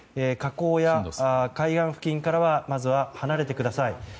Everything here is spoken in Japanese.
河口や海岸付近からはまず離れてください。